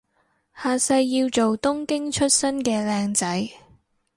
下世要做東京出身嘅靚仔